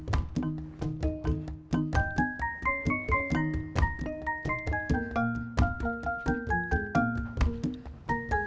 ya udah abang